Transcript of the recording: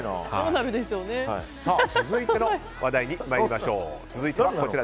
続いての話題に参りましょう。